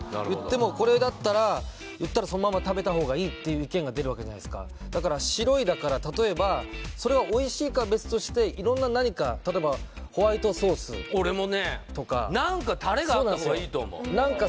これだったら言ったらそのまんま食べた方がいいっていう意見が出るわけじゃないっすかだから白いだから例えばそれがおいしいかは別として色んな何か例えば俺もね何かタレがあった方がいいと思うそうなんすよ